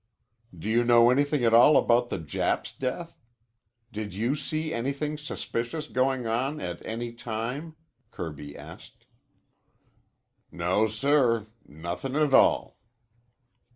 "Do you know anything at all about the Jap's death? Did you see anything suspicious going on at any time?" Kirby asked. "No, sir. Nothin' a tall."